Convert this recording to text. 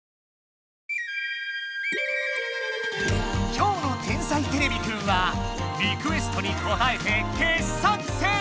今日の「天才てれびくん」はリクエストにこたえて傑作選！